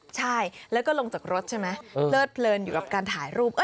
ใช่แล้วก็ลงจากรถใช่ไหมเลิดเพลินอยู่กับการถ่ายรูป